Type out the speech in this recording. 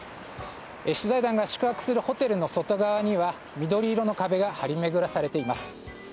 取材団が宿泊するホテルの外側には緑色の壁が張り巡らされています。